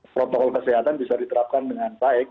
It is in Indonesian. protokol kesehatan bisa diterapkan dengan baik